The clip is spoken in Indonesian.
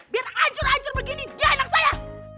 biar hancur hancur begini dia anak saya